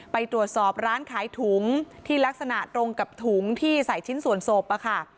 ไปตรวจสอบร้านขายถุงที่ลักษณะตรงกับถุงที่ใส่ชิ้นส่วนศพอะค่ะ